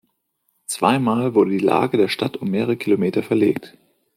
Zweimal wurde die Lage der Stadt um mehrere Kilometer verlegt.